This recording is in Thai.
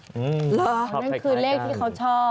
เหรอนั่นคือเลขที่เขาชอบ